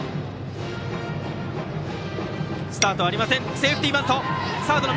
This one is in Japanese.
セーフティーバント。